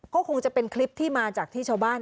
ก็คงจะเป็นคลิปที่มาจากที่ชาวบ้าน